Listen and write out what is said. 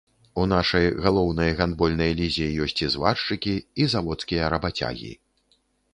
У нашай галоўнай гандбольнай лізе ёсць і зваршчыкі, і заводскія рабацягі.